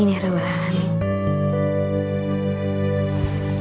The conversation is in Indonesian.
amin ya rabah amin